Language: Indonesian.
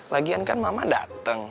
lagian kan mama dateng